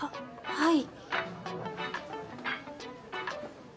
はい。